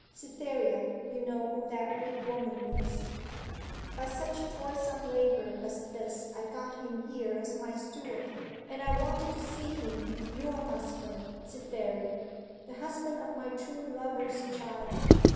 Cytherea, you know who that weak woman is. 'By such toilsome labour as this I got him here as my steward. And I wanted to see him your husband, Cytherea! the husband of my true lover's child.